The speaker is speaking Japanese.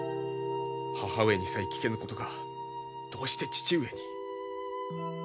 母上にさえ聞けぬことがどうして父上に。